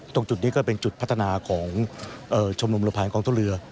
ตรงจุดนี้ก็เป็นจุดพัฒนาของชมรมเรือภายกองทัพเรือ